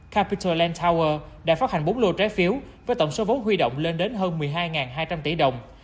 capital land tower đã phát hành bốn lô trái phiếu với tổng số vốn huy động lên đến hơn một mươi hai hai trăm linh tỷ đồng